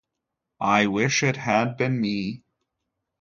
I wish it had been me.